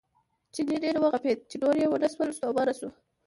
چیني ډېر وغپېد چې نور یې ونه شول ستومانه شو.